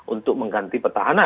untuk mengganti petahana